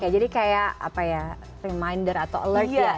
jadi kayak reminder atau alert ya gitu ya